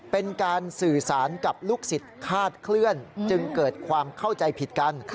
เป็นการสื่อสารกับลูกศิษย์คาดเคลื่อนจึงเกิดความเข้าใจผิดกัน